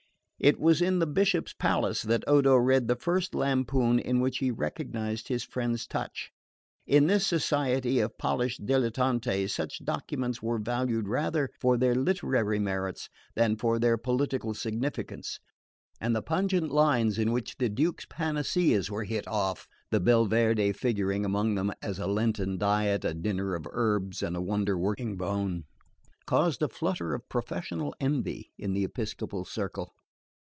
It was in the Bishop's palace that Odo read the first lampoon in which he recognised his friend's touch. In this society of polished dilettanti such documents were valued rather for their literary merits than for their political significance; and the pungent lines in which the Duke's panaceas were hit off (the Belverde figuring among them as a Lenten diet, a dinner of herbs, and a wonder working bone) caused a flutter of professional envy in the episcopal circle.